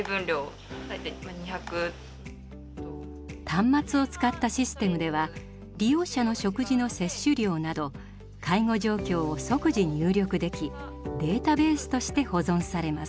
端末を使ったシステムでは利用者の食事の摂取量など介護状況を即時入力できデータベースとして保存されます。